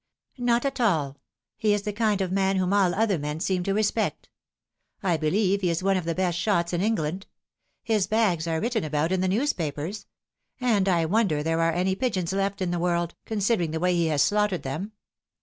"Not at all. He is the kind of man whom all other TM en reem to respect. I believe he is one of the best shots in Eng land. His bags are written about in the newspapers ; and I wonder there are any pigeons left in the world, considering the way he has slaughtered them."